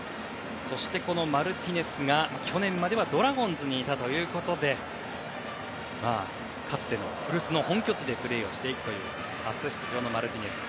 そしてマルティネスが去年まではドラゴンズにいたということでかつての古巣の本拠地でプレーしていくという初出場のマルティネス。